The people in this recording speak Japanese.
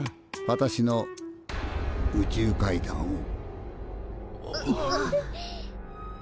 私の宇宙怪談を。